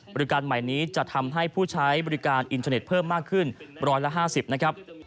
บริการใหม่นี้จะทำให้ผู้ใช้บริการอินเทอร์เน็ตเพิ่มมากขึ้น๑๕๐นะครับ